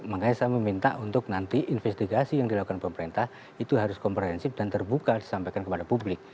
makanya saya meminta untuk nanti investigasi yang dilakukan pemerintah itu harus komprehensif dan terbuka disampaikan kepada publik